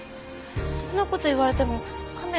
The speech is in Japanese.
そんな事言われてもカメラの位置が。